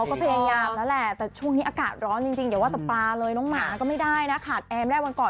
โอเค